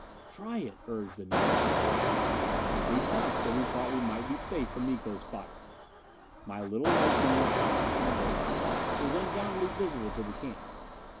"Try it," urged Anita. We crouched where we thought we might be safe from Miko's fire. My little light beam shot up from the bowl. It was undoubtedly visible to the camp.